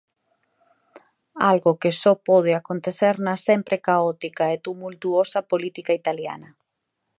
Algo que só pode acontecer na sempre caótica e tumultuosa política italiana.